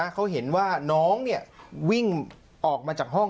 เขาเห็นว่าน้องวิ่งออกมาจากห้อง